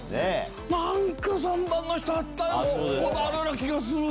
何か３番の人会ったことあるような気がする！